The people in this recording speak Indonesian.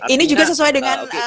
ini juga sesuai dengan